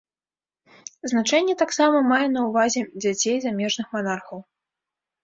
Значэнне таксама мае на ўвазе дзяцей замежных манархаў.